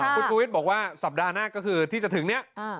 คุณชูวิทย์บอกว่าสัปดาห์หน้าก็คือที่จะถึงเนี่ย